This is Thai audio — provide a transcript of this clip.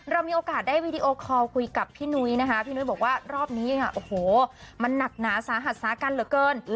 เรามีโอกาสได้วีดีโอคอลคุยกับพี่นุ้ยนะคะพี่นุ้ยบอกว่ารอบนี้ค่ะโอ้โหมันหนักหนาสาหัสสากันเหลือเกิน